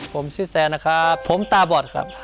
ผมชื่อแซนนะครับผมตาบอดครับ